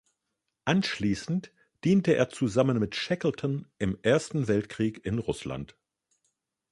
Anschließend diente er zusammen mit Shackleton im Ersten Weltkrieg in Russland.